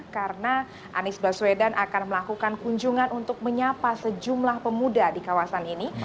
karena anis baswedan akan melakukan kunjungan untuk menyapa sejumlah pemuda di kawasan ini